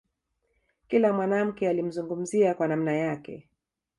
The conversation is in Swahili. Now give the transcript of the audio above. Kila mwanamke alimzungumzia kwa namna yake